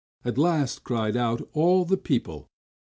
at last cried out all the people.